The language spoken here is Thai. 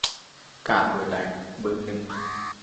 กาเบอร์ใด "เบอร์หนึ่ง"